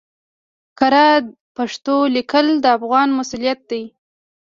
کره پښتو ليکل د افغان مسؤليت دی